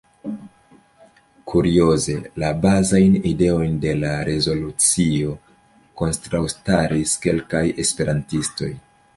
Kurioze, la bazajn ideojn de la rezolucio kontraŭstaris kelkaj esperantistoj.